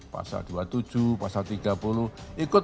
pasar dua puluh tujuh pasar tiga puluh